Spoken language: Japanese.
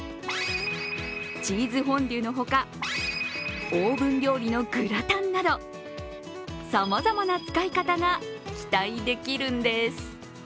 チーズフォンデュのほかオーブン料理のグラタンなどさまざまな使い方が期待できるんです。